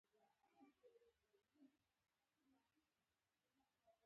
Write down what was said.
کلوروفیل نبات ته څه ګټه لري؟